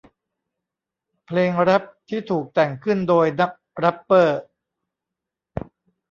เพลงแร็ปที่ถูกแต่งขึ้นโดยนักแร็ปเปอร์